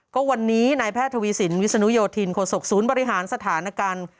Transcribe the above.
ก็วันนี้นายแพทย์ทวีสินวิศนุโยธินโคศกศูนย์บริหารสถานการณ์